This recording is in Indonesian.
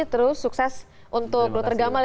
terus sukses untuk dokter gamal ya